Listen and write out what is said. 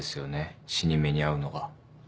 死に目に会うのが。